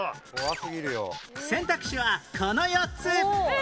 選択肢はこの４つ